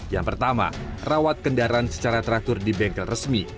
yang pertama rawat kendaraan secara teratur di bengkel resmi